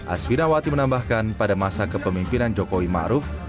asvinawati menambahkan pada masa kepemimpinan jokowi maruf